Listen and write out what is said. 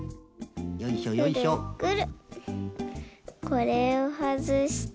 これをはずして。